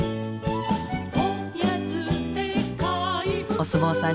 お相撲さん